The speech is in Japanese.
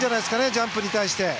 ジャンプに対して。